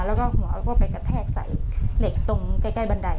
แล้วก็หัวเขาก็ไปกระแทกใส่เหล็กตรงใกล้บันได